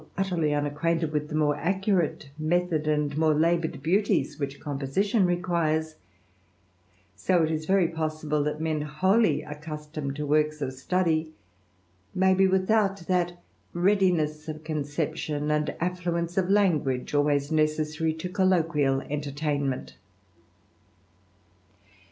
utterly unacquainted with the more accurate method more laboured beauties, which composition requires ; is very possible that men, wholly accustomed to wa study, may be without that readiness of conception affluence of language, always necessary to colloquial ' tainment.